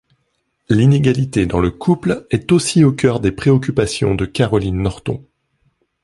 L'inégalité dans le couple est aussi au cœur des préoccupations de Caroline Norton.